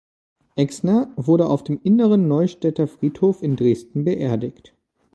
Exner wurde auf dem Inneren Neustädter Friedhof in Dresden beerdigt.